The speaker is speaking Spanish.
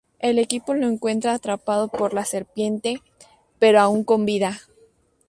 El equipo lo encuentra atrapado por la serpiente, pero aún con vida.